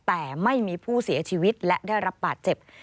แต่ไม่มีผู้เสียชีวิตและได้รับบาดเจ็บ